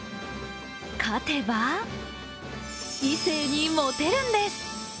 勝てば、異性にモテるんです。